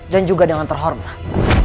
dan juga dengan terhormat